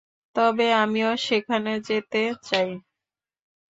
তবে আমিও সেখানে যেতে চাই।